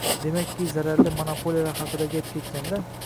Demakki, zararli monopoliyalar haqida gap ketganda